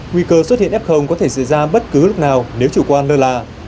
nguy cơ xuất hiện f có thể xảy ra bất cứ lúc nào nếu chủ quan lơ là